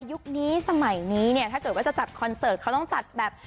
ยุคนี้สมัยนี้เนี่ยถ้าเกิดว่าจะจัดคอนเสิร์ตเขาต้องจัดแบบ